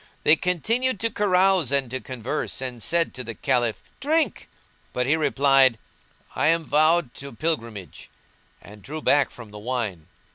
They continued to carouse and to converse and said to the Caliph, "Drink!" but he replied, "I am vowed to Pilgrimage;"[FN#175] and drew back from the wine.